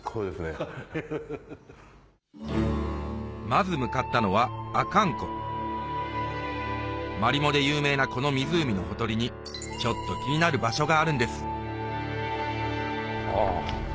まず向かったのはマリモで有名なこの湖のほとりにちょっと気になる場所があるんです